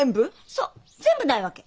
そう全部ないわけ。